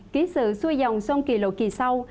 ký sự xui dòng sông kỳ lộ kỳ sau